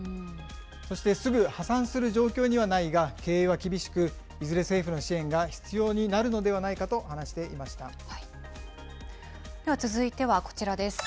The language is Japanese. そしてすぐ破産する状況にはないが、経営は厳しく、いずれ政府の支援が必要になるのではないかとでは続いてはこちらです。